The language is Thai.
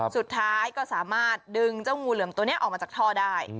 สุดท้ายก็สามารถดึงเจ้างูเหลือมตัวนี้ออกมาจากท่อได้